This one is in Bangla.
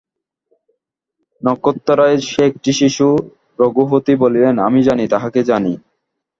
নক্ষত্ররায়, সে একটি শিশু– রঘুপতি বলিলেন, আমি জানি, তাহাকে জানি।